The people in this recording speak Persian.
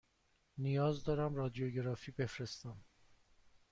نیاز دارم رادیوگرافی بفرستم.